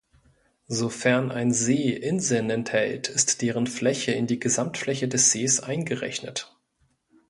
Sofern ein See Inseln enthält, ist deren Fläche in die Gesamtfläche des Sees eingerechnet.